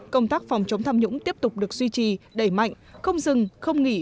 công tác phòng chống tham nhũng tiếp tục được duy trì đẩy mạnh không dừng không nghỉ